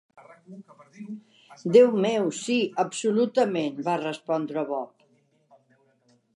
"Déu meu, sí, absolutament", va respondre Bob.